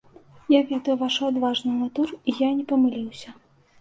Я ведаю вашу адважную натуру, і я не памыліўся.